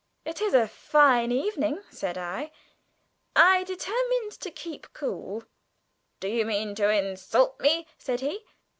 'It is a fine evening,' said I (I was determined to keep cool). 'Do you mean to insult me?' said he.